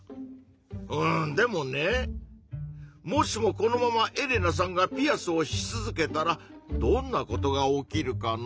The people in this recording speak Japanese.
うんでもねもしもこのままエレナさんがピアスをし続けたらどんなことが起きるかな？